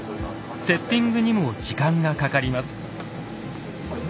セッティングにも時間がかかります。